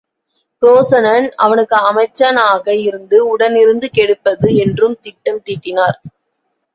புரோசனன் அவனுக்கு அமைச்சனாக இருந்து உடனிருந்து கெடுப்பது என்றும் திட்டம் தீட்டினர்.